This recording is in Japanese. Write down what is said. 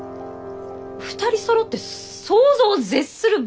２人そろって想像を絶するバカ！